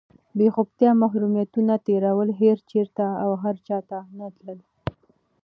بېخوبتیا، محرومیتونه تېرول، هېر چېرته او هر چاته نه تلل،